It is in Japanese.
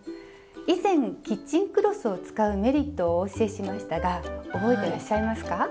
以前キッチンクロスを使うメリットをお教えしましたが覚えてらっしゃいますか？